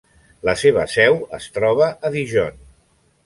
La seva seu es troba a Dijon.